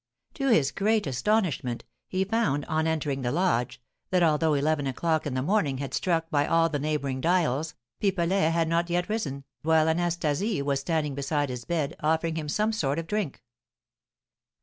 To his great astonishment, he found, on entering the lodge, that although eleven o'clock in the morning had struck by all the neighbouring dials, Pipelet had not yet risen, while Anastasie was standing beside his bed, offering him some sort of drink.